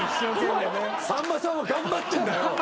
さんまさんは頑張ってんだよ。